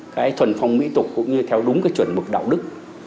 cái thuần phong mỹ tục cũng như theo đúng cái chuẩn mực đạo đức